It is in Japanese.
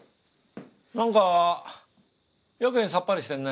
なんかやけにさっぱりしてんね。